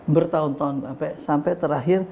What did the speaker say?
bertahun tahun sampai terakhir